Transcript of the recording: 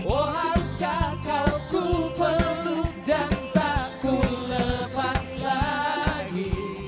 oh haruskah kau ku peluk dan tak ku lepas lagi